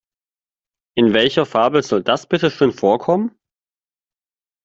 In welcher Fabel soll das bitte schön vorkommen?